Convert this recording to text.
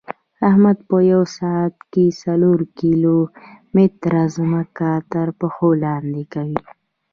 احمد په یوه ساعت کې څلور کیلو متېره ځمکه ترپښو لاندې کوي.